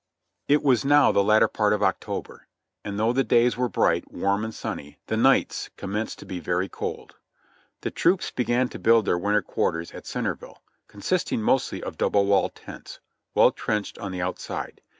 It was now the latter part of October, and though the days were bright, warm and sunny, the nights commenced to be very cold. The troops began to build their w^inter quarters at Centerville, consisting mostly of double wall tents, well trenched on the out side.